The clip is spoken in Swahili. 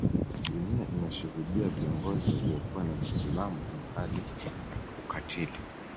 Dunia imeshuhudia viongozi waliokuwa na misimamo mikali na ukatili